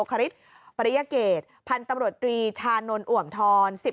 คฮริสต์ปริยาเกษพันธุ์ตำรวจตรีชานนนอ่อมทรสิบ